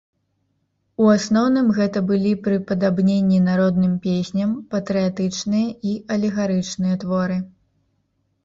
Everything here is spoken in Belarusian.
У асноўным гэта былі прыпадабненні народным песням, патрыятычныя і алегарычныя творы.